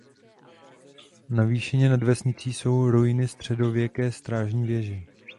Na výšině nad vesnicí jsou ruiny středověké strážní věže.